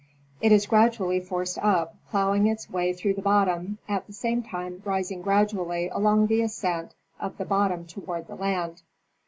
It is gradually forced up, ploughing its way through the bottom, at the same time rising gradually along the ascent of the bottom toward the land.